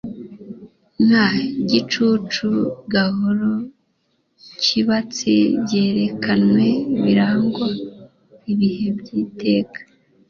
Nka gicucu gahoro cyibyatsi byerekanwe biranga ibihe byiteka